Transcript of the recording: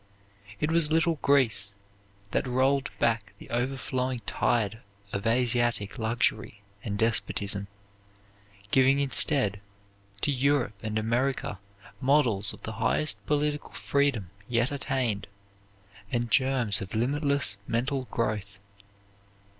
It was little Greece that rolled back the overflowing tide of Asiatic luxury and despotism, giving instead to Europe and America models of the highest political freedom yet attained, and germs of limitless mental growth.